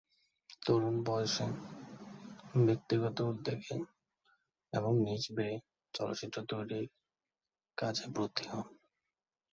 তরুণ বয়সে ব্যক্তিগত উদ্যোগে এবং নিজ ব্যয়ে চলচ্চিত্র তৈরির কাজে ব্রতী হন।